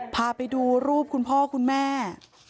พาไปดูรูปคุณพ่อคุณแม่